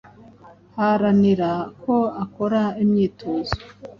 Haranira ko ukora imyitozo